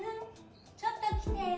ちょっと来て。